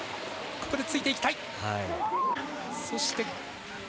ここでついていきたい。